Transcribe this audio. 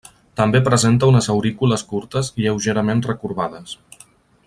També presenta unes aurícules curtes lleugerament recorbades.